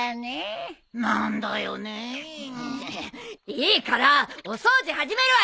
いいから！お掃除始めるわよ！